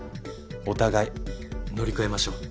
お互い乗り越えましょう。